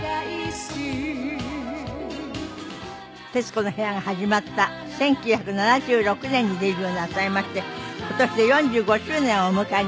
『徹子の部屋』が始まった１９７６年にデビューなさいまして今年で４５周年をお迎えになりました。